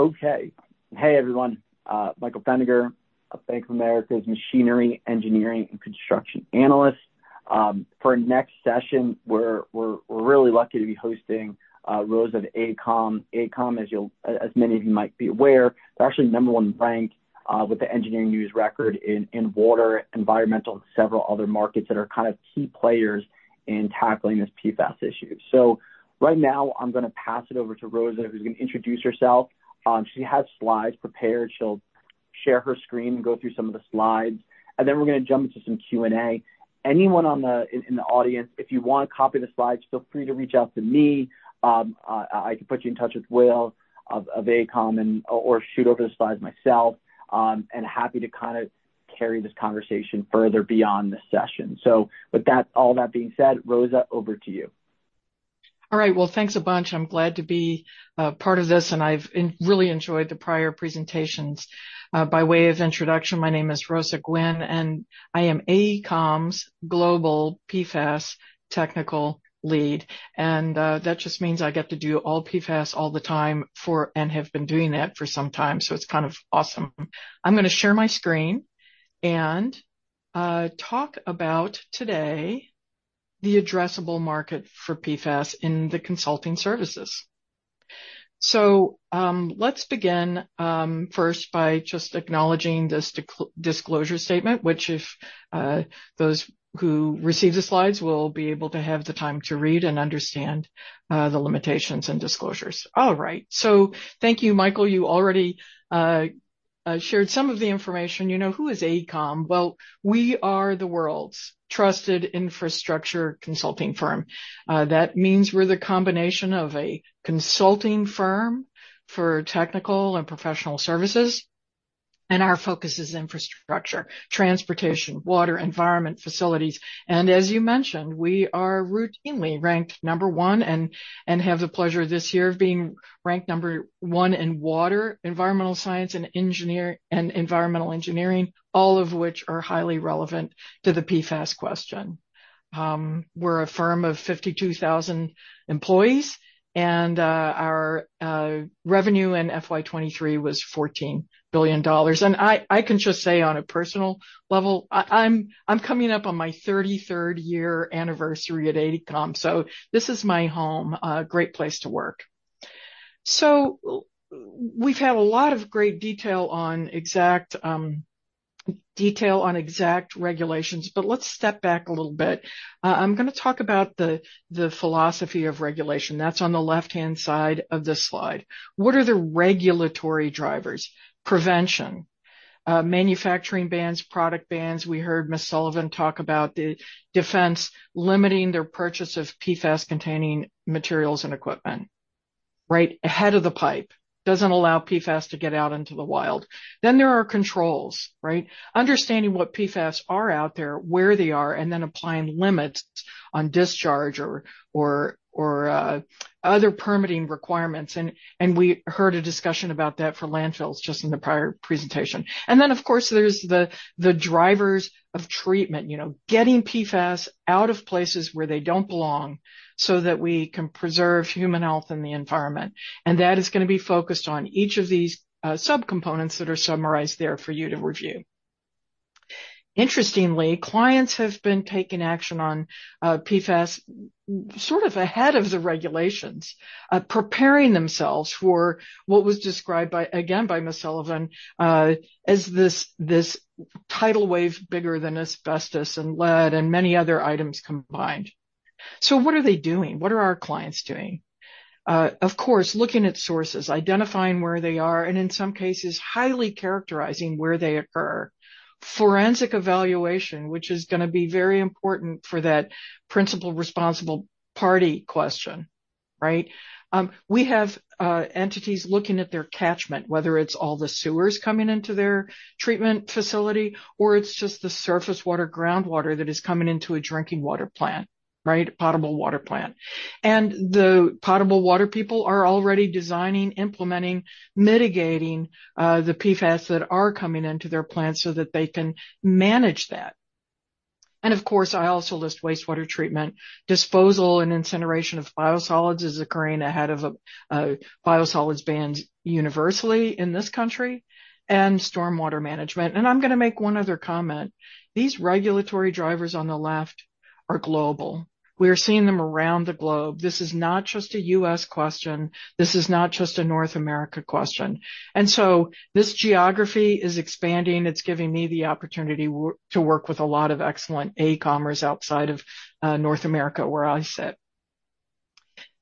Okay. Hey, everyone, Michael Feniger of Bank of America's Machinery, Engineering, and Construction Analyst. For our next session, we're really lucky to be hosting Rosa of AECOM. AECOM, as many of you might be aware, they're actually number one ranked with the Engineering News-Record in water, environmental, and several other markets that are kind of key players in tackling this PFAS issue. So right now, I'm gonna pass it over to Rosa, who's gonna introduce herself. She has slides prepared. She'll share her screen and go through some of the slides, and then we're gonna jump into some Q&A. Anyone in the audience, if you want a copy of the slides, feel free to reach out to me. I can put you in touch with Will of AECOM, and or shoot over the slides myself, and happy to kind of carry this conversation further beyond this session. So with that, all that being said, Rosa, over to you. All right. Well, thanks a bunch. I'm glad to be part of this, and I've really enjoyed the prior presentations. By way of introduction, my name is Rosa Gwinn, and I am AECOM's Global PFAS Technical Lead, and that just means I get to do all PFAS all the time for and have been doing that for some time, so it's kind of awesome. I'm gonna share my screen and talk about today the addressable market for PFAS in the consulting services. So, let's begin, first, by just acknowledging this disclosure statement, which if those who receive the slides will be able to have the time to read and understand the limitations and disclosures. All right, so thank you, Michael. You already shared some of the information. You know, who is AECOM? Well, we are the world's trusted infrastructure consulting firm. That means we're the combination of a consulting firm for technical and professional services, and our focus is infrastructure, transportation, water, environment, facilities. And as you mentioned, we are routinely ranked number one and have the pleasure this year of being ranked number one in water, environmental science, and engineer, and environmental engineering, all of which are highly relevant to the PFAS question. We're a firm of 52,000 employees, and our revenue in FY 2023 was $14 billion. And I can just say on a personal level, I'm coming up on my 33rd year anniversary at AECOM, so this is my home, a great place to work. So we've had a lot of great detail on exact detail on exact regulations, but let's step back a little bit. I'm gonna talk about the philosophy of regulation. That's on the left-hand side of this slide. What are the regulatory drivers? Prevention, manufacturing bans, product bans. We heard Ms. Sullivan talk about the defense limiting their purchase of PFAS-containing materials and equipment. Right ahead of the pipe, doesn't allow PFAS to get out into the wild. Then there are controls, right? Understanding what PFAS are out there, where they are, and then applying limits on discharge or other permitting requirements. And we heard a discussion about that for landfills just in the prior presentation. And then, of course, there's the drivers of treatment. You know, getting PFAS out of places where they don't belong so that we can preserve human health and the environment. That is gonna be focused on each of these subcomponents that are summarized there for you to review. Interestingly, clients have been taking action on PFAS, sort of ahead of the regulations, preparing themselves for what was described by, again, by Ms. Sullivan, as this tidal wave bigger than asbestos and lead and many other items combined. So what are they doing? What are our clients doing? Of course, looking at sources, identifying where they are, and in some cases, highly characterizing where they occur. Forensic evaluation, which is gonna be very important for that principal responsible party question, right? We have entities looking at their catchment, whether it's all the sewers coming into their treatment facility, or it's just the surface water, groundwater that is coming into a drinking water plant, right? Potable water plant. And the potable water people are already designing, implementing, mitigating, the PFAS that are coming into their plants so that they can manage that. And of course, I also list wastewater treatment. Disposal and incineration of biosolids is occurring ahead of, biosolids bans universally in this country, and stormwater management. And I'm gonna make one other comment. These regulatory drivers on the left are global. We are seeing them around the globe. This is not just a U.S. question. This is not just a North America question. And so this geography is expanding. It's giving me the opportunity to work with a lot of excellent AECOMers outside of, North America, where I sit.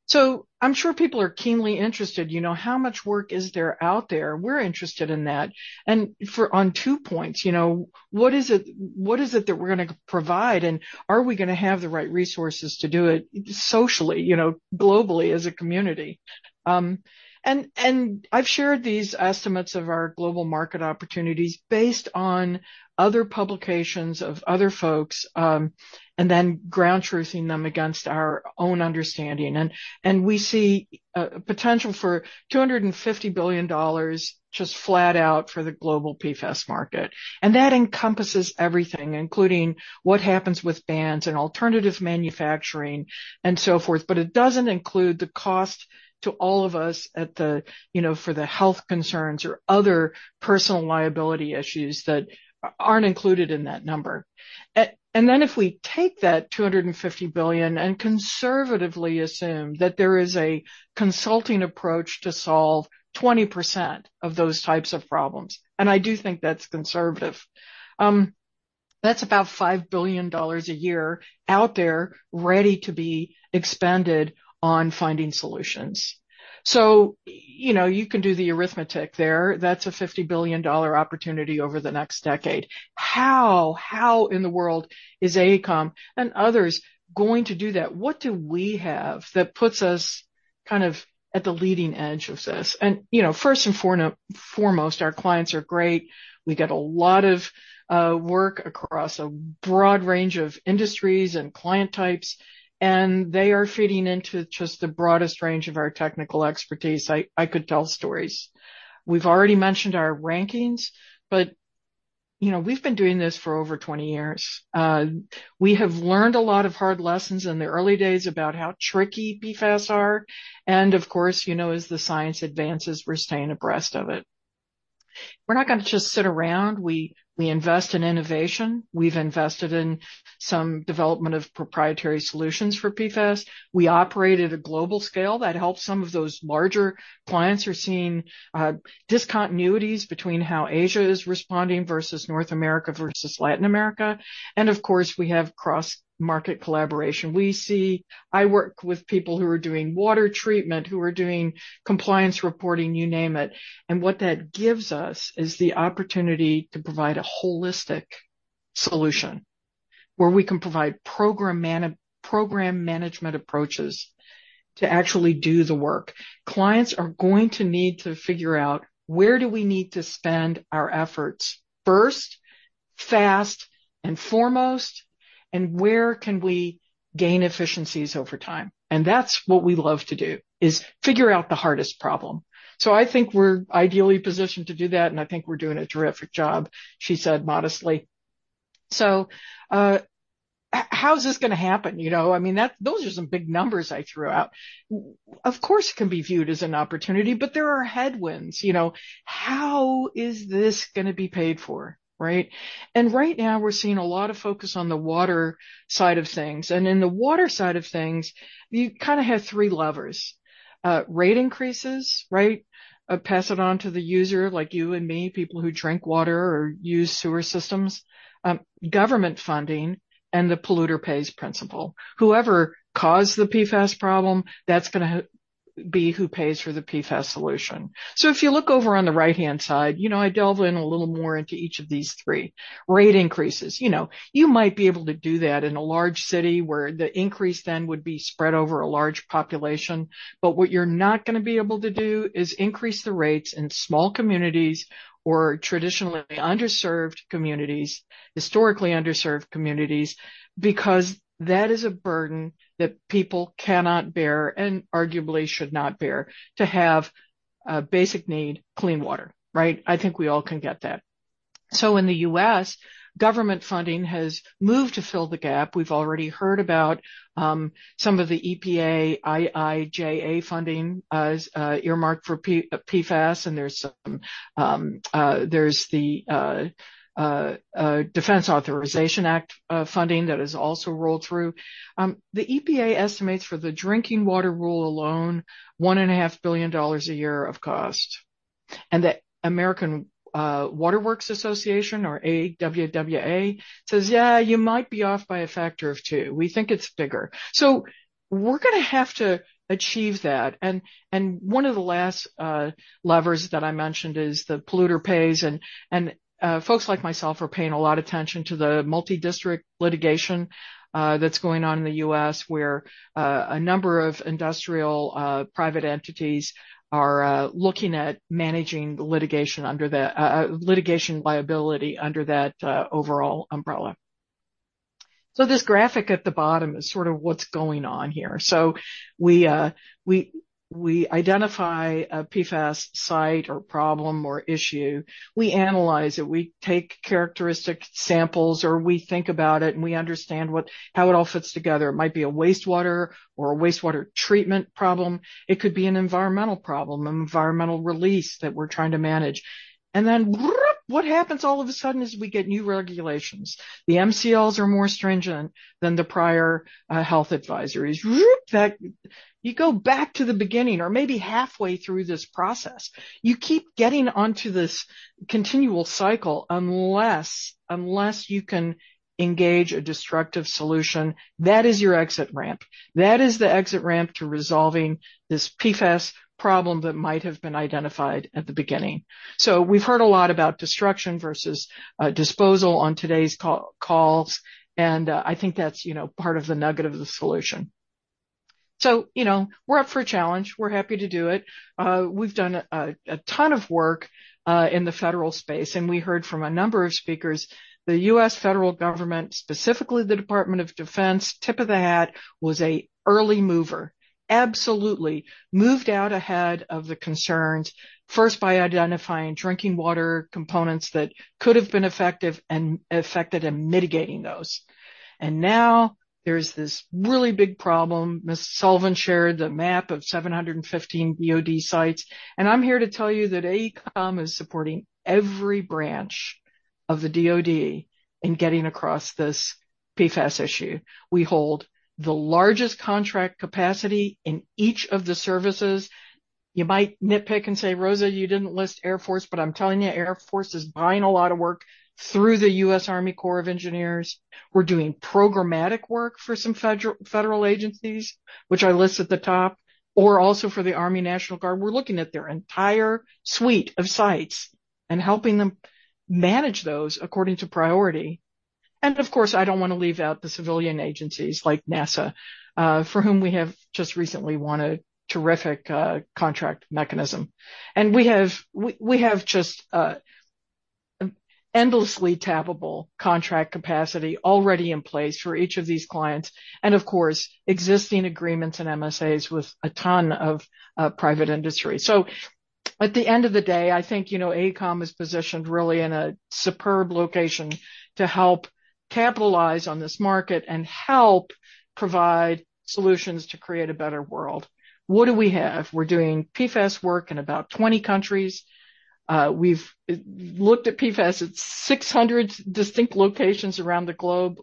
So I'm sure people are keenly interested, you know, how much work is there out there? We're interested in that. Focusing on two points, you know, what is it, what is it that we're gonna provide, and are we gonna have the right resources to do it, you know, globally as a community? And I've shared these estimates of our global market opportunities based on other publications of other folks, and then ground truthing them against our own understanding. And we see a potential for $250 billion just flat out for the global PFAS market. That encompasses everything, including what happens with bans and alternative manufacturing and so forth, but it doesn't include the cost to all of us, you know, for the health concerns or other personal liability issues that aren't included in that number. and then if we take that $250 billion and conservatively assume that there is a consulting approach to solve 20% of those types of problems, and I do think that's conservative. That's about $5 billion a year out there, ready to be expended on finding solutions. So, you know, you can do the arithmetic there. That's a $50 billion opportunity over the next decade. How in the world is AECOM and others going to do that? What do we have that puts us kind of at the leading edge of this? And, you know, first and foremost, our clients are great. We get a lot of work across a broad range of industries and client types, and they are fitting into just the broadest range of our technical expertise. I could tell stories. We've already mentioned our rankings, but, you know, we've been doing this for over 20 years. We have learned a lot of hard lessons in the early days about how tricky PFAS are, and of course, you know, as the science advances, we're staying abreast of it. We're not gonna just sit around. We invest in innovation. We've invested in some development of proprietary solutions for PFAS. We operate at a global scale that helps some of those larger clients who are seeing, discontinuities between how Asia is responding versus North America versus Latin America. And of course, we have cross-market collaboration. We see... I work with people who are doing water treatment, who are doing compliance reporting, you name it, and what that gives us is the opportunity to provide a holistic solution, where we can provide program management approaches to actually do the work. Clients are going to need to figure out: where do we need to spend our efforts first, fast, and foremost, and where can we gain efficiencies over time? And that's what we love to do, is figure out the hardest problem. So I think we're ideally positioned to do that, and I think we're doing a terrific job, she said modestly. So, how is this gonna happen? You know, I mean, that, those are some big numbers I threw out. Of course, it can be viewed as an opportunity, but there are headwinds. You know, how is this gonna be paid for, right? Right now, we're seeing a lot of focus on the water side of things. In the water side of things, you kinda have three levers: rate increases, right? Pass it on to the user, like you and me, people who drink water or use sewer systems. Government funding and the polluter pays principle. Whoever caused the PFAS problem, that's gonna be who pays for the PFAS solution. So if you look over on the right-hand side, you know, I delve in a little more into each of these three. Rate increases. You know, you might be able to do that in a large city where the increase then would be spread over a large population. But what you're not gonna be able to do is increase the rates in small communities or traditionally underserved communities, historically underserved communities, because that is a burden that people cannot bear and arguably should not bear to have a basic need, clean water, right? I think we all can get that. So in the US, government funding has moved to fill the gap. We've already heard about some of the EPA IIJA funding as earmarked for PFAS, and there's the Defense Authorization Act funding that is also rolled through. The EPA estimates for the drinking water rule alone, $1.5 billion a year of cost. And the American Water Works Association, or AWWA, says, "Yeah, you might be off by a factor of two. We think it's bigger. So we're gonna have to achieve that. And one of the last levers that I mentioned is the polluter pays, and folks like myself are paying a lot of attention to the multi-district litigation that's going on in the U.S., where a number of industrial private entities are looking at managing litigation under the litigation liability under that overall umbrella. So this graphic at the bottom is sort of what's going on here. So we identify a PFAS site or problem or issue, we analyze it, we take characteristic samples, or we think about it and we understand what, how it all fits together. It might be a wastewater or a wastewater treatment problem. It could be an environmental problem, an environmental release that we're trying to manage. And then, vroop! What happens all of a sudden is we get new regulations. The MCLs are more stringent than the prior health advisories. Vroop! That you go back to the beginning or maybe halfway through this process. You keep getting onto this continual cycle, unless, unless you can engage a destructive solution, that is your exit ramp. That is the exit ramp to resolving this PFAS problem that might have been identified at the beginning. So we've heard a lot about destruction versus disposal on today's call, calls, and I think that's, you know, part of the nugget of the solution. So, you know, we're up for a challenge. We're happy to do it. We've done a ton of work in the federal space, and we heard from a number of speakers. The U.S. federal government, specifically the Department of Defense, tip of the hat, was an early mover. Absolutely moved out ahead of the concerns, first by identifying drinking water components that could have been effective and affected and mitigating those. And now there's this really big problem. Ms. Sullivan shared the map of 715 DoD sites, and I'm here to tell you that AECOM is supporting every branch of the DoD in getting across this PFAS issue. We hold the largest contract capacity in each of the services.... You might nitpick and say, "Rosa, you didn't list Air Force," but I'm telling you, Air Force is buying a lot of work through the U.S. Army Corps of Engineers. We're doing programmatic work for some federal, federal agencies, which I list at the top, or also for the Army National Guard. We're looking at their entire suite of sites and helping them manage those according to priority. And, of course, I don't wanna leave out the civilian agencies like NASA, for whom we have just recently won a terrific contract mechanism. And we have just endlessly tappable contract capacity already in place for each of these clients, and of course, existing agreements and MSAs with a ton of private industry. So at the end of the day, I think, you know, AECOM is positioned really in a superb location to help capitalize on this market and help provide solutions to create a better world. What do we have? We're doing PFAS work in about 20 countries. We've looked at PFAS at 600 distinct locations around the globe.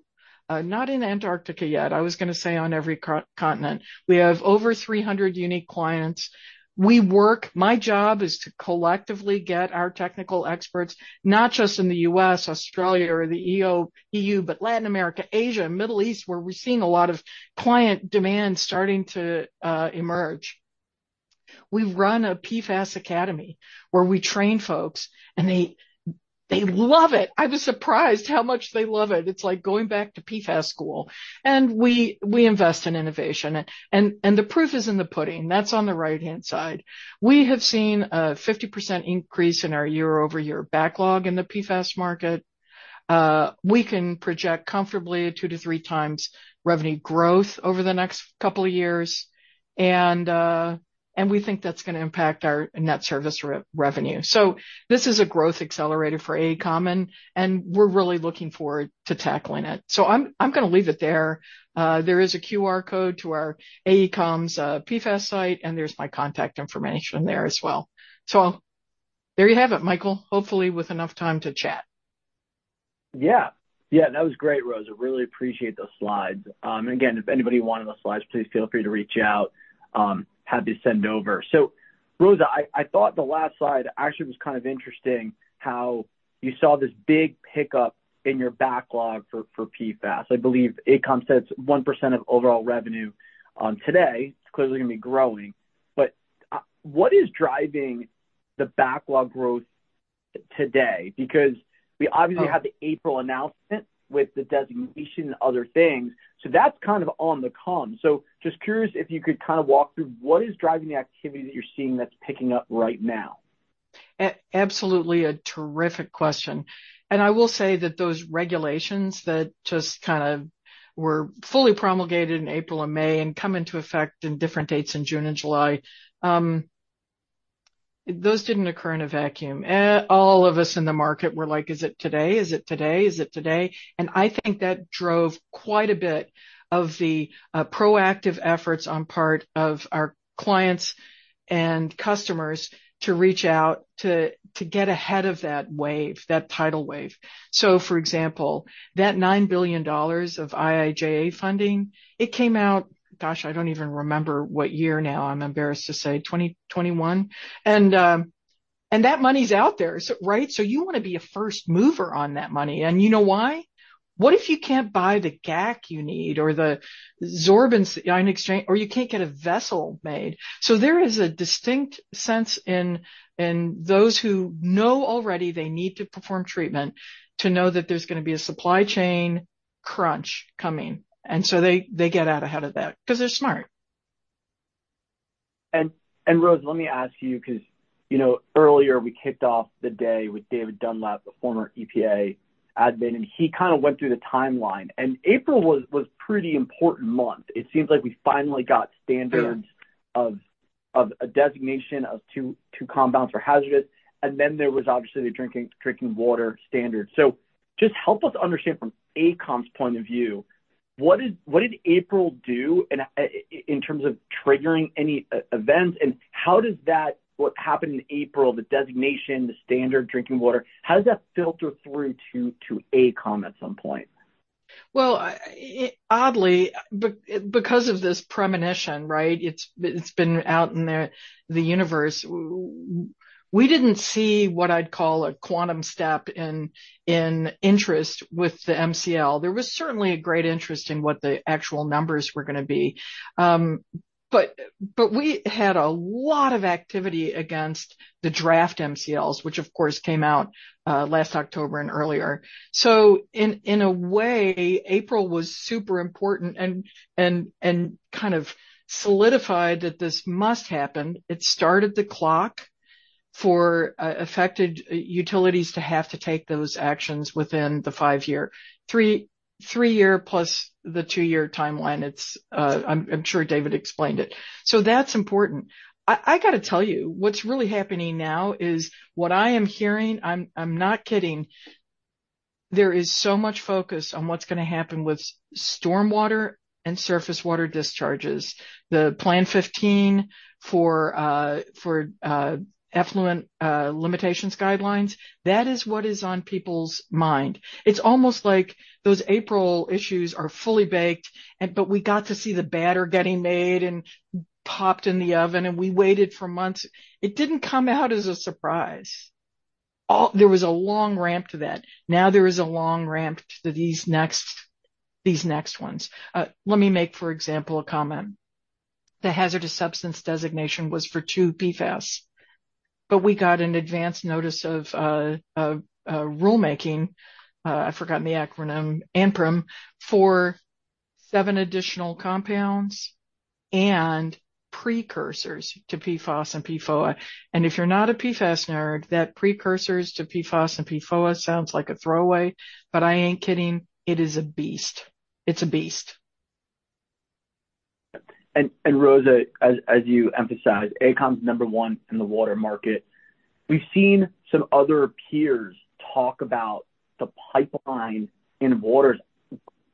Not in Antarctica yet. I was gonna say on every continent. We have over 300 unique clients. We work... My job is to collectively get our technical experts, not just in the US, Australia, or the EU, but Latin America, Asia, and Middle East, where we're seeing a lot of client demand starting to emerge. We run a PFAS Academy, where we train folks, and they love it. I was surprised how much they love it. It's like going back to PFAS school, and we invest in innovation. And the proof is in the pudding. That's on the right-hand side. We have seen a 50% increase in our year-over-year backlog in the PFAS market. We can project comfortably 2-3 times revenue growth over the next couple of years, and we think that's gonna impact our net service revenue. So this is a growth accelerator for AECOM, and we're really looking forward to tackling it. So I'm gonna leave it there. There is a QR code to our AECOM's PFAS site, and there's my contact information there as well. So there you have it, Michael, hopefully with enough time to chat. Yeah. Yeah, that was great, Rosa. Really appreciate those slides. Again, if anybody wanted those slides, please feel free to reach out. Happy to send over. So Rosa, I thought the last slide actually was kind of interesting, how you saw this big pickup in your backlog for PFAS. I believe AECOM says 1% of overall revenue today, it's clearly gonna be growing. But, what is driving the backlog growth today? Because we obviously have the April announcement with the designation and other things, so that's kind of on the come. So just curious if you could kind of walk through what is driving the activity that you're seeing that's picking up right now. Absolutely, a terrific question, and I will say that those regulations that just kind of were fully promulgated in April and May and come into effect in different dates in June and July, those didn't occur in a vacuum. All of us in the market were like: "Is it today? Is it today? Is it today?" And I think that drove quite a bit of the proactive efforts on part of our clients and customers to reach out to, to get ahead of that wave, that tidal wave. So, for example, that $9 billion of IIJA funding, it came out, gosh, I don't even remember what year now, I'm embarrassed to say, 2021? And, and that money's out there, so right? So you wanna be a first mover on that money, and you know why? What if you can't buy the GAC you need or the sorbents in exchange, or you can't get a vessel made? So there is a distinct sense in those who know already they need to perform treatment to know that there's gonna be a supply chain crunch coming, and so they get out ahead of that 'cause they're smart. Rosa, let me ask you, 'cause, you know, earlier we kicked off the day with David Dunlap, the former EPA admin, and he kind of went through the timeline, and April was a pretty important month. It seems like we finally got standards- Sure. of a designation of two compounds for hazardous, and then there was obviously the drinking water standard. So just help us understand from AECOM's point of view, what did April do in terms of triggering any events? And how does that, what happened in April, the designation, the standard drinking water, how does that filter through to AECOM at some point? Well, it, oddly, because of this premonition, right? It's been out in the universe. We didn't see what I'd call a quantum step in interest with the MCL. There was certainly a great interest in what the actual numbers were gonna be. But we had a lot of activity against the draft MCLs, which, of course, came out last October and earlier. So in a way, April was super important and kind of solidified that this must happen. It started the clock for affected utilities to have to take those actions within the five-year, three-year plus the two-year timeline. It's, I'm sure David explained it. So that's important. I gotta tell you, what's really happening now is what I am hearing. I'm not kidding, there is so much focus on what's gonna happen with stormwater and surface water discharges. The Plan 15 for effluent limitations guidelines, that is what is on people's mind. It's almost like those April issues are fully baked, but we got to see the batter getting made and popped in the oven, and we waited for months. It didn't come out as a surprise. There was a long ramp to that. Now there is a long ramp to these next ones. Let me make, for example, a comment. The hazardous substance designation was for two PFAS, but we got an advance notice of a rulemaking. I've forgotten the acronym, ANPRM, for seven additional compounds and precursors to PFOS and PFOA. If you're not a PFAS nerd, that precursors to PFOS and PFOA sounds like a throwaway, but I ain't kidding, it is a beast. It's a beast. And Rosa, as you emphasize, AECOM's number one in the water market. We've seen some other peers talk about the pipeline in waters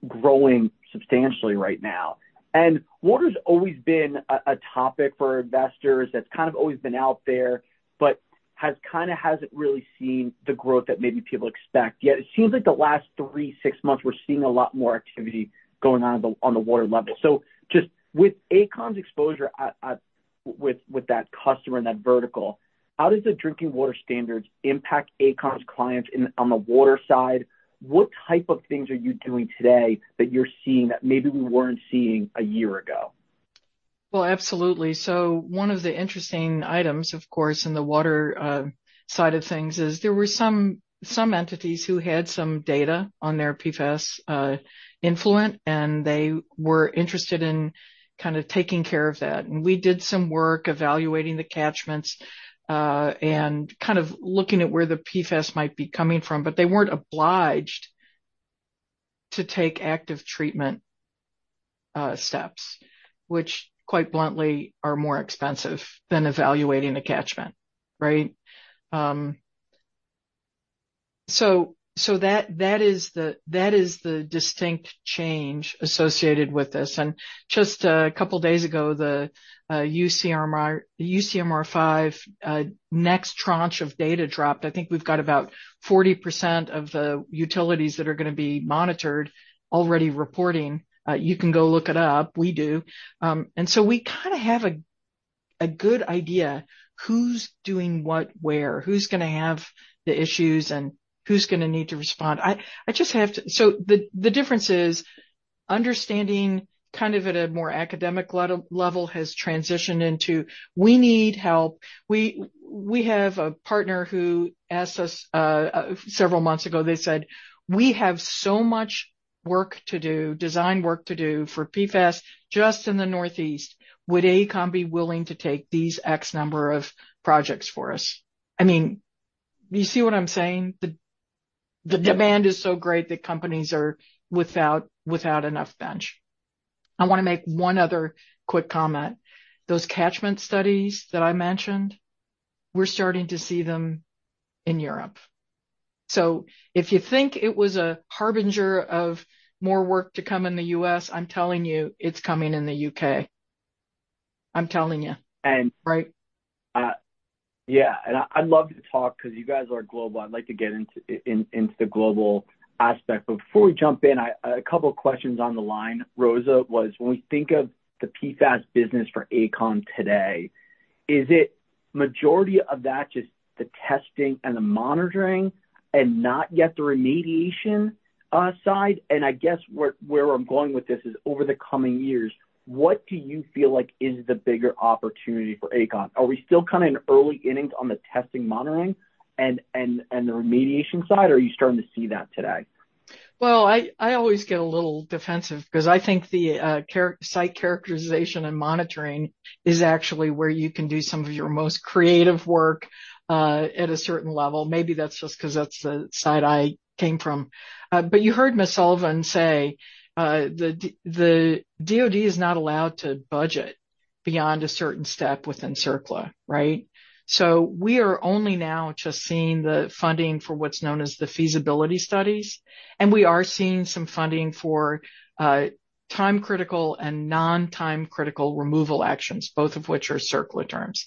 growing substantially right now, and water's always been a topic for investors that's kind of always been out there, but has kind of hasn't really seen the growth that maybe people expect yet. It seems like the last three, six months, we're seeing a lot more activity going on on the water level. So just with AECOM's exposure, with that customer and that vertical, how does the drinking water standards impact AECOM's clients on the water side? What type of things are you doing today that you're seeing that maybe we weren't seeing a year ago? Well, absolutely. So one of the interesting items, of course, in the water side of things is there were some entities who had some data on their PFAS influent, and they were interested in kind of taking care of that. And we did some work evaluating the catchments and kind of looking at where the PFAS might be coming from, but they weren't obliged to take active treatment steps, which, quite bluntly, are more expensive than evaluating a catchment. Right? So that is the distinct change associated with this. And just a couple of days ago, the UCMR, UCMR5 next tranche of data dropped. I think we've got about 40% of the utilities that are gonna be monitored already reporting. You can go look it up. We do. And so we kinda have a good idea who's doing what, where, who's gonna have the issues, and who's gonna need to respond. So the difference is understanding kind of at a more academic lead-level has transitioned into, we need help. We have a partner who asked us several months ago, they said, "We have so much work to do, design work to do for PFAS just in the Northeast. Would AECOM be willing to take these X number of projects for us?" I mean, you see what I'm saying? The demand is so great that companies are without enough bench. I wanna make one other quick comment. Those catchment studies that I mentioned, we're starting to see them in Europe. So if you think it was a harbinger of more work to come in the U.S., I'm telling you, it's coming in the U.K. I'm telling you. And- Right? Yeah, and I'd love to talk because you guys are global. I'd like to get into the global aspect. But before we jump in, a couple of questions on the line, Rosa, was when we think of the PFAS business for AECOM today, is it majority of that just the testing and the monitoring and not yet the remediation side? And I guess where I'm going with this is, over the coming years, what do you feel like is the bigger opportunity for AECOM? Are we still kind of in early innings on the testing, monitoring and the remediation side, or are you starting to see that today? Well, I always get a little defensive because I think the site characterization and monitoring is actually where you can do some of your most creative work at a certain level. Maybe that's just 'cause that's the side I came from. But you heard Miss Sullivan say the DoD is not allowed to budget beyond a certain step within CERCLA, right? So we are only now just seeing the funding for what's known as the feasibility studies, and we are seeing some funding for time-critical and non-time-critical removal actions, both of which are CERCLA terms.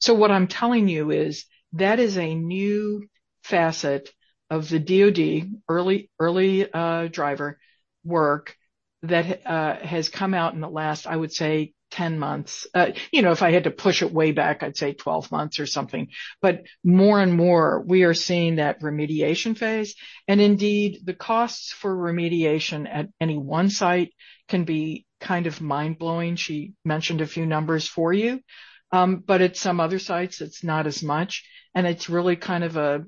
So what I'm telling you is that is a new facet of the DoD early driver work that has come out in the last, I would say, 10 months. You know, if I had to push it way back, I'd say 12 months or something. But more and more, we are seeing that remediation phase, and indeed, the costs for remediation at any one site can be kind of mind-blowing. She mentioned a few numbers for you. But at some other sites, it's not as much, and it's really kind of a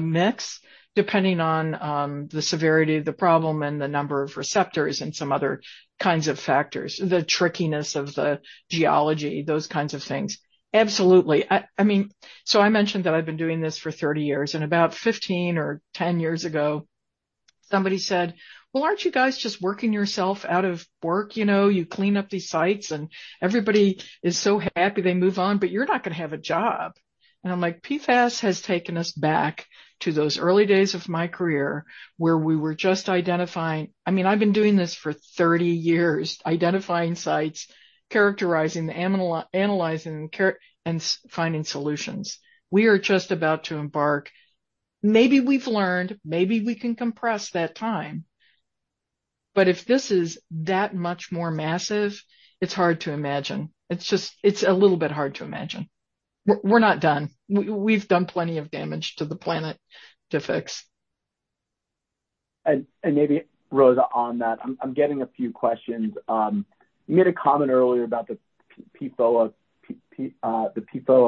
mix, depending on the severity of the problem and the number of receptors and some other kinds of factors, the trickiness of the geology, those kinds of things. Absolutely. I mean, so I mentioned that I've been doing this for 30 years, and about 15 or 10 years ago, somebody said: Well, aren't you guys just working yourself out of work? You know, you clean up these sites, and everybody is so happy, they move on, but you're not gonna have a job. And I'm like, PFAS has taken us back to those early days of my career, where we were just identifying. I mean, I've been doing this for 30 years, identifying sites, characterizing, analyzing, and sampling, finding solutions. We are just about to embark. Maybe we've learned, maybe we can compress that time. But if this is that much more massive, it's hard to imagine. It's just, it's a little bit hard to imagine. We're not done. We've done plenty of damage to the planet to fix. And maybe, Rosa, on that, I'm getting a few questions. You made a comment earlier about the PFOA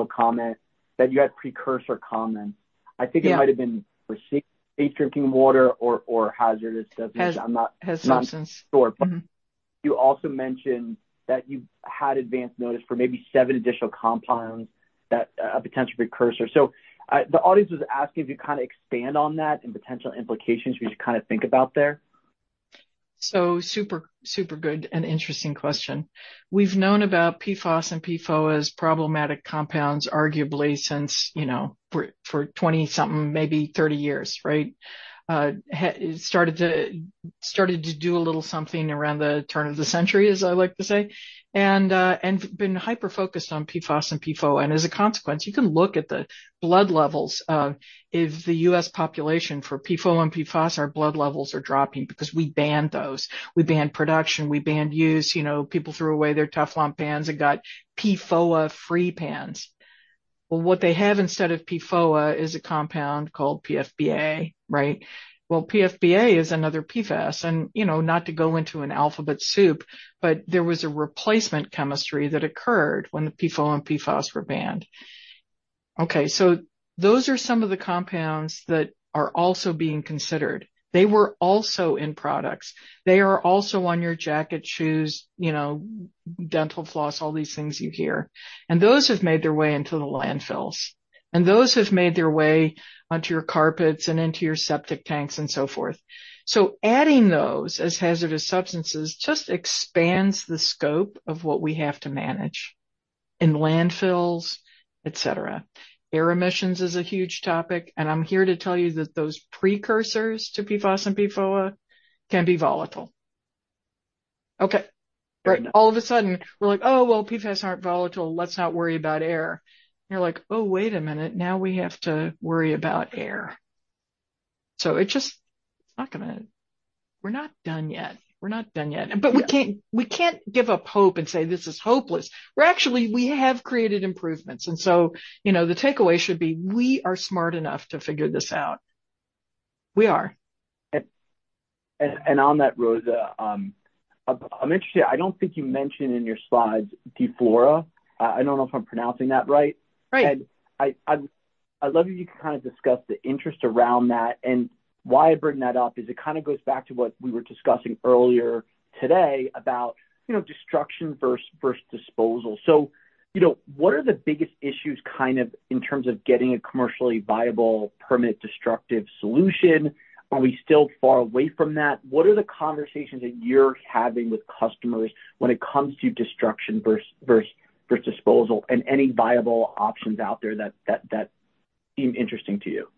comment that you had precursor comments. Yeah. I think it might have been for safe drinking water or hazardous. I'm not- Hazardous substances. Mm-hmm. You also mentioned that you had advanced notice for maybe seven additional compounds that, a potential precursor. So, the audience was asking if you kinda expand on that and potential implications we should kinda think about there. So super, super good and interesting question. We've known about PFOS and PFOA as problematic compounds, arguably since, you know, for 20-something, maybe 30 years, right? Started to do a little something around the turn of the century, as I like to say, and been hyper-focused on PFOS and PFOA. And as a consequence, you can look at the blood levels of the U.S. population for PFOA and PFOS; our blood levels are dropping because we banned those. We banned production, we banned use, you know; people threw away their Teflon pans and got PFOA-free pans. Well, what they have instead of PFOA is a compound called PFBA, right? Well, PFBA is another PFAS, and, you know, not to go into an alphabet soup, but there was a replacement chemistry that occurred when the PFOA and PFOS were banned. Okay, so those are some of the compounds that are also being considered. They were also in products. They are also on your jacket, shoes, you know, dental floss, all these things you hear. And those have made their way into the landfills, and those have made their way onto your carpets and into your septic tanks and so forth. So adding those as hazardous substances just expands the scope of what we have to manage in landfills, et cetera. Air emissions is a huge topic, and I'm here to tell you that those precursors to PFOS and PFOA can be volatile. Okay, but all of a sudden, we're like, "Oh, well, PFAS aren't volatile. Let's not worry about air." You're like: Oh, wait a minute, now we have to worry about air. So it just... It's not gonna-- We're not done yet. We're not done yet. Yeah. But we can't, we can't give up hope and say this is hopeless. We're actually, we have created improvements, and so, you know, the takeaway should be, we are smart enough to figure this out. We are. On that, Rosa, I'm interested. I don't think you mentioned in your slides DE-FLUORO. I don't know if I'm pronouncing that right. Right. And I'd love if you could kinda discuss the interest around that and why I bring that up, is it kinda goes back to what we were discussing earlier today about, you know, destruction versus disposal. So, you know, what are the biggest issues, kind of, in terms of getting a commercially viable, permanent, destructive solution? Are we still far away from that? What are the conversations that you're having with customers when it comes to destruction versus disposal and any viable options out there that seem interesting to you?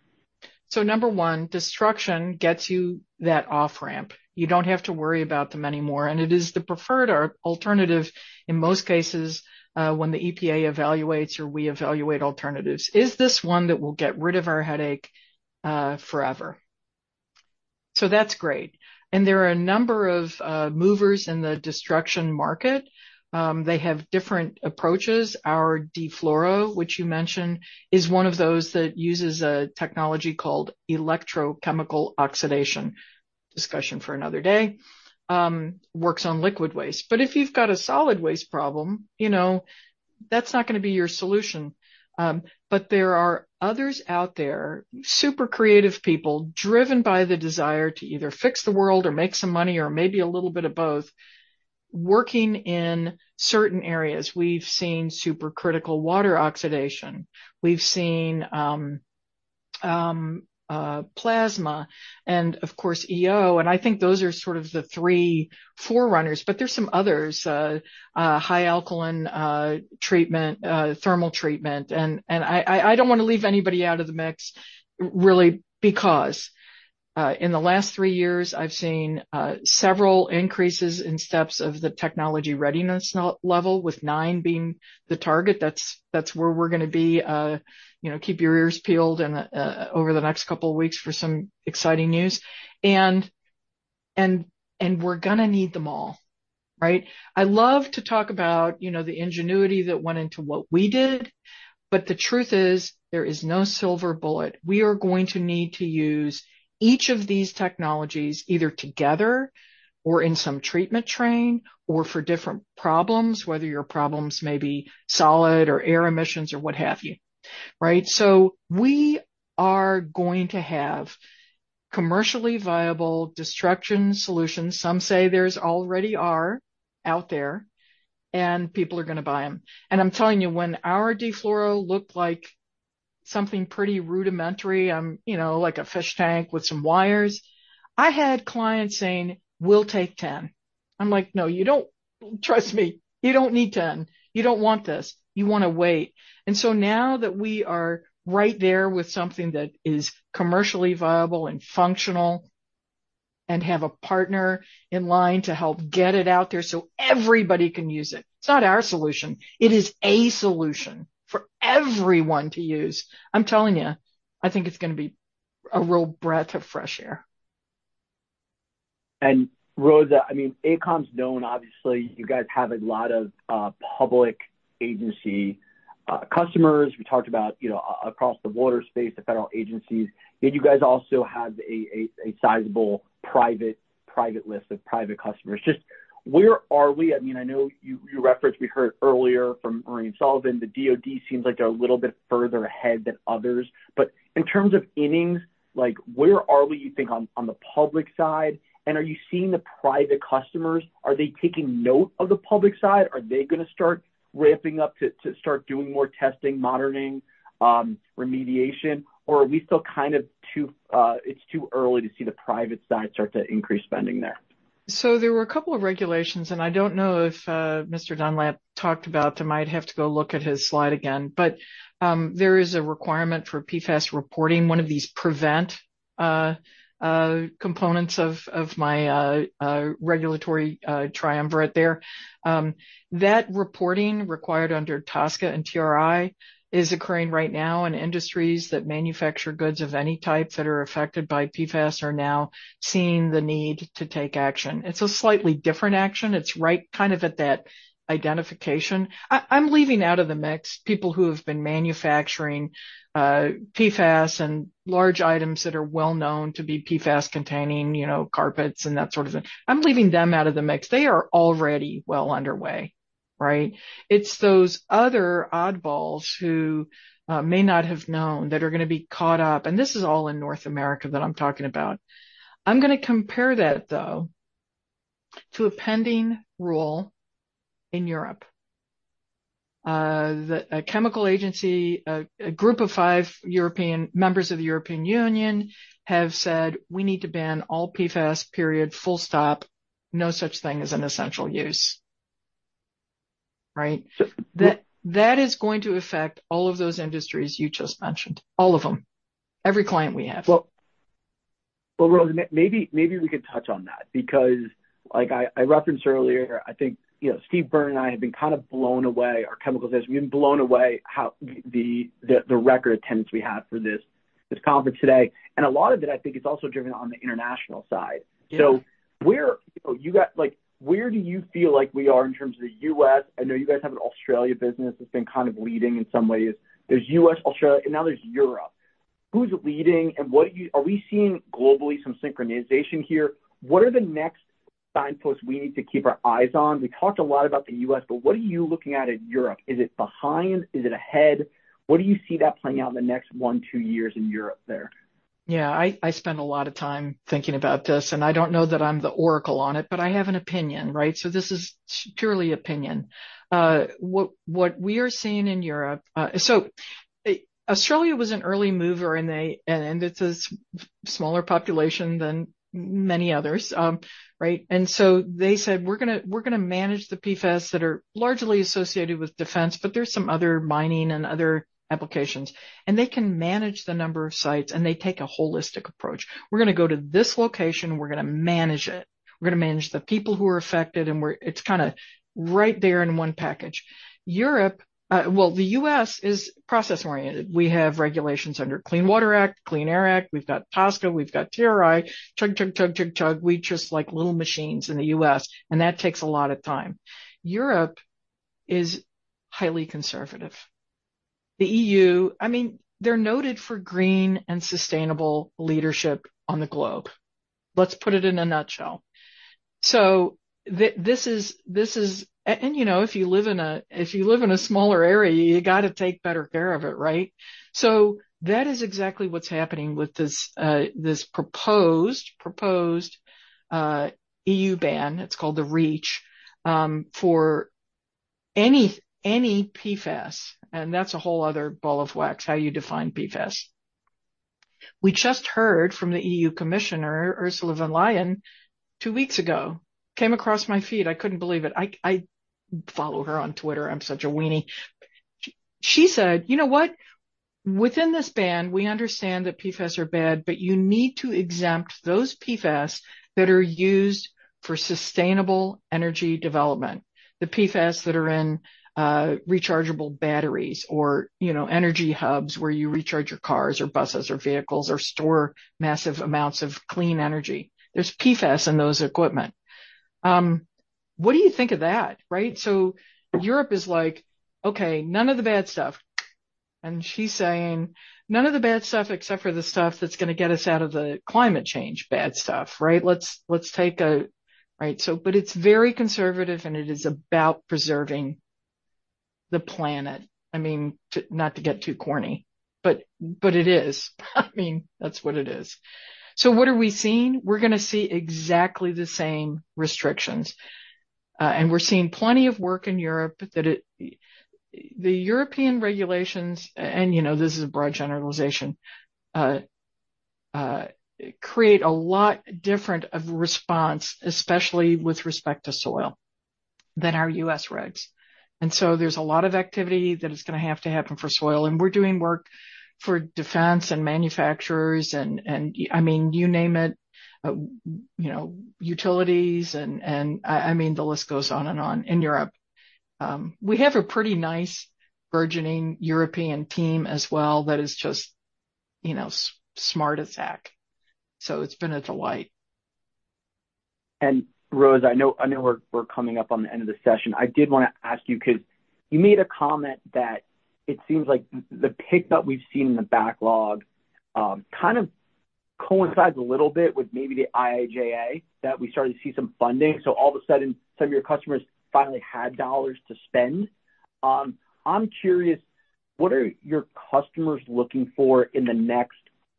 So number 1, destruction gets you that off-ramp. You don't have to worry about them anymore, and it is the preferred or alternative in most cases, when the EPA evaluates or we evaluate alternatives. Is this one that will get rid of our headache, forever? So that's great. There are a number of movers in the destruction market. They have different approaches. Our DE-FLUORO, which you mentioned, is one of those that uses a technology called electrochemical oxidation. Discussion for another day. Works on liquid waste. But if you've got a solid waste problem, you know, that's not gonna be your solution. But there are others out there, super creative people, driven by the desire to either fix the world or make some money or maybe a little bit of both, working in certain areas. We've seen supercritical water oxidation. We've seen plasma, and of course, EO, and I think those are sort of the three forerunners, but there's some others, high alkaline treatment, thermal treatment. And I don't wanna leave anybody out of the mix, really, because in the last three years, I've seen several increases in steps of the technology readiness level, with nine being the target. That's where we're gonna be. You know, keep your ears peeled over the next couple of weeks for some exciting news. And we're gonna need them all, right? I love to talk about, you know, the ingenuity that went into what we did, but the truth is, there is no silver bullet. We are going to need to use each of these technologies either together or in some treatment train or for different problems, whether your problems may be solid or air emissions or what have you. Right? So we are going to have commercially viable destruction solutions. Some say there already are out there, and people are gonna buy them. And I'm telling you, when our DE-FLUORO™ looked like something pretty rudimentary, you know, like a fish tank with some wires, I had clients saying: We'll take 10. I'm like: No, you don't... Trust me, you don't need 10. You don't want this. You wanna wait. And so now that we are right there with something that is commercially viable and functional, and have a partner in line to help get it out there so everybody can use it, it's not our solution, it is a solution for everyone to use. I'm telling you... I think it's gonna be a real breath of fresh air. Rosa, I mean, AECOM's known, obviously, you guys have a lot of public agency customers. We talked about, you know, across the border space, the federal agencies, yet you guys also have a sizable private list of private customers. Just where are we? I mean, I know you referenced, we heard earlier from Maureen Sullivan, the DoD seems like they're a little bit further ahead than others. But in terms of innings, like, where are we, you think on the public side? And are you seeing the private customers, are they taking note of the public side? Are they gonna start ramping up to start doing more testing, monitoring, remediation? Or are we still kind of too early to see the private side start to increase spending there? So there were a couple of regulations, and I don't know if Mr. Dunlap talked about them. I'd have to go look at his slide again, but there is a requirement for PFAS reporting, one of these preventative components of my regulatory triumvirate there. That reporting, required under TSCA and TRI, is occurring right now, and industries that manufacture goods of any type that are affected by PFAS are now seeing the need to take action. It's a slightly different action. It's right kind of at that identification. I'm leaving out of the mix people who have been manufacturing PFAS and large items that are well known to be PFAS containing, you know, carpets and that sort of thing. I'm leaving them out of the mix. They are already well underway, right? It's those other oddballs who may not have known that are gonna be caught up, and this is all in North America that I'm talking about. I'm gonna compare that, though, to a pending rule in Europe. The chemical agency, a group of five European members of the European Union have said, "We need to ban all PFAS, period. Full stop. No such thing as an essential use." Right? That is going to affect all of those industries you just mentioned. All of them, every client we have. Well, Rosa, maybe we could touch on that because, like I referenced earlier, I think, you know, Steve Byrne and I have been kind of blown away, our chemical business, we've been blown away how the record attendance we have for this conference today. And a lot of it, I think, is also driven on the international side. Yes. So, where do you guys like, where do you feel like we are in terms of the US? I know you guys have an Australia business that's been kind of leading in some ways. There's US, Australia, and now there's Europe. Who's leading and what do you...? Are we seeing globally some synchronization here? What are the next signposts we need to keep our eyes on? We talked a lot about the US, but what are you looking at in Europe? Is it behind? Is it ahead? What do you see that playing out in the next one, two years in Europe there? Yeah, I spend a lot of time thinking about this, and I don't know that I'm the oracle on it, but I have an opinion, right? So this is purely opinion. What we are seeing in Europe... So, Australia was an early mover, and they, and it's a smaller population than many others, right? And so they said, "We're gonna manage the PFAS that are largely associated with defense," but there's some other mining and other applications, and they can manage the number of sites, and they take a holistic approach. We're gonna go to this location, we're gonna manage it. We're gonna manage the people who are affected, and we're, it's kinda right there in one package. Europe, well, the U.S. is process-oriented. We have regulations under Clean Water Act, Clean Air Act, we've got TSCA, we've got TRI, chug, chug, chug, chug, chug. We're just like little machines in the US, and that takes a lot of time. Europe is highly conservative. The EU, I mean, they're noted for green and sustainable leadership on the globe. Let's put it in a nutshell. So this is. And you know, if you live in a smaller area, you got to take better care of it, right? So that is exactly what's happening with this proposed EU ban. It's called the REACH for any PFAS, and that's a whole other ball of wax, how you define PFAS. We just heard from the EU Commissioner, Ursula von der Leyen, two weeks ago. Came across my feed. I couldn't believe it. I follow her on Twitter. I'm such a weenie. She said, "You know what? Within this ban, we understand that PFAS are bad, but you need to exempt those PFAS that are used for sustainable energy development." The PFAS that are in rechargeable batteries or, you know, energy hubs, where you recharge your cars or buses or vehicles or store massive amounts of clean energy. There's PFAS in those equipment. What do you think of that, right? So Europe is like, okay, none of the bad stuff, and she's saying, none of the bad stuff except for the stuff that's gonna get us out of the climate change bad stuff, right? Let's take a... Right, so but it's very conservative, and it is about preserving the planet. I mean, to not to get too corny, but it is. I mean, that's what it is. So what are we seeing? We're gonna see exactly the same restrictions, and we're seeing plenty of work in Europe that, the European regulations, and, you know, this is a broad generalization, create a lot different of response, especially with respect to soil, than our US regs. And so there's a lot of activity that is gonna have to happen for soil, and we're doing work for defense and manufacturers and, and I mean, you name it, you know, utilities and, and I, I mean, the list goes on and on in Europe. We have a pretty nice burgeoning European team as well that is just, you know, smart as heck, so it's been a delight. Rosa, I know we're coming up on the end of the session. I did want to ask you, 'cause you made a comment that it seems like the pickup we've seen in the backlog kind of coincides a little bit with maybe the IIJA, that we started to see some funding. So all of a sudden, some of your customers finally had dollars to spend. I'm curious, what are your customers looking for in the next,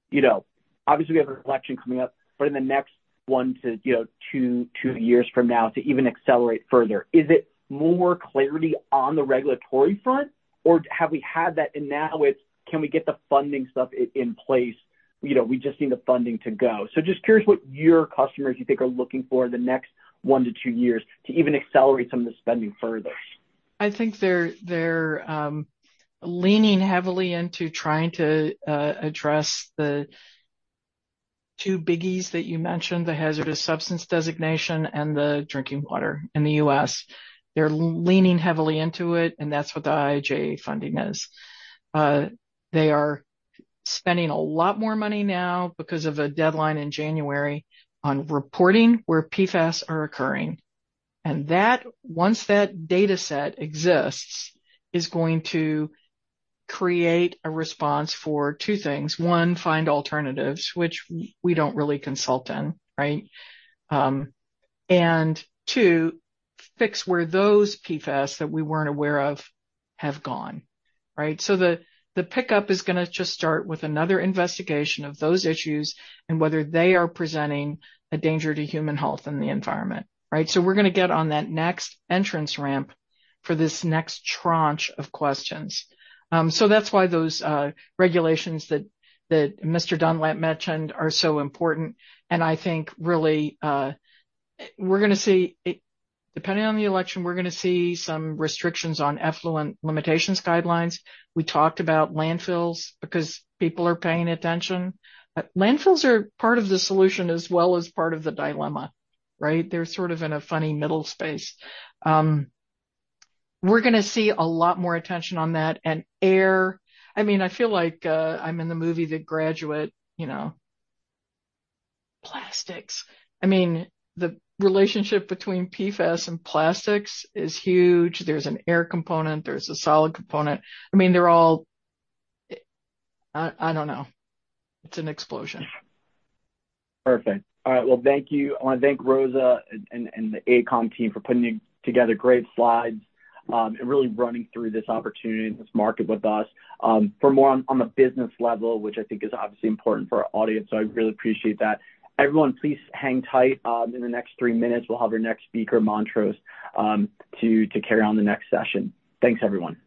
you know, obviously we have an election coming up, but in the next 1 to 2 years from now to even accelerate further? Is it more clarity on the regulatory front, or have we had that, and now it's, can we get the funding stuff in place? You know, we just need the funding to go. Just curious what your customers, you think, are looking for in the next 1-2 years to even accelerate some of the spending further? I think they're leaning heavily into trying to address the two biggies that you mentioned, the hazardous substance designation and the drinking water in the U.S. They're leaning heavily into it, and that's what the IIJA funding is. They are spending a lot more money now because of a deadline in January on reporting where PFAS are occurring, and that, once that data set exists, is going to create a response for two things: one, find alternatives, which we don't really consult in, right? And two, fix where those PFAS that we weren't aware of have gone, right? So the pickup is gonna just start with another investigation of those issues and whether they are presenting a danger to human health and the environment, right? So we're gonna get on that next entrance ramp for this next tranche of questions. So that's why those regulations that Mr. Dunlap mentioned are so important, and I think really, we're gonna see it, depending on the election, we're gonna see some restrictions on effluent limitations guidelines. We talked about landfills because people are paying attention. Landfills are part of the solution as well as part of the dilemma, right? They're sort of in a funny middle space. We're gonna see a lot more attention on that and air. I mean, I feel like, I'm in the movie, The Graduate, you know, plastics. I mean, the relationship between PFAS and plastics is huge. There's an air component, there's a solid component. I mean, they're all... I don't know. It's an explosion. Perfect. All right. Well, thank you. I wanna thank Rosa and the AECOM team for putting together great slides and really running through this opportunity and this market with us for more on the business level, which I think is obviously important for our audience, so I really appreciate that. Everyone, please hang tight. In the next three minutes, we'll have our next speaker, Montrose, to carry on the next session. Thanks, everyone.